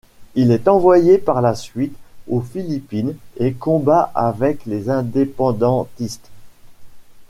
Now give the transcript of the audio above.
Il est envoyé par la suite aux Philippines et combat avec les indépendantistes.